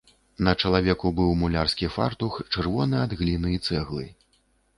На чалавеку быў мулярскі фартух, чырвоны ад гліны і цэглы.